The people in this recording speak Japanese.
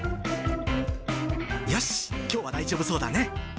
よしっ、きょうは大丈夫そうだね。